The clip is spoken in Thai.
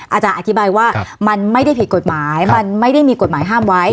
อาจารย์อธิบายว่ามันไม่ได้ผิดกฎหมายมันไม่ได้มีกฎหมายห้ามไว้